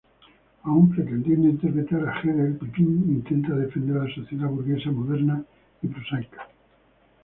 Aún pretendiendo interpretar a Hegel, Pippin intenta defender la sociedad burguesa moderna y prosaica.